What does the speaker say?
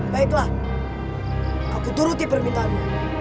baiklah aku turuti permintaanmu